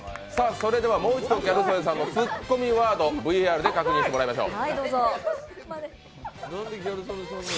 それでは、もう一度ギャル曽根さんのツッコミワード、ＶＡＲで確認しましょう。